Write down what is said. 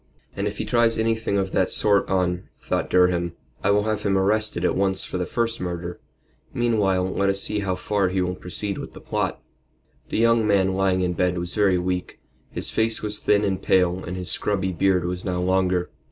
"And if he tries anything of that sort on," thought Durham, "I'll have him arrested at once for the first murder. Meantime, let us see how far he will proceed with the plot." The young man lying in bed was very weak. His face was thin and pale and his scrubby beard was now longer.